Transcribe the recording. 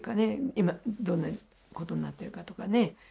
今どんなことになってるかとかね。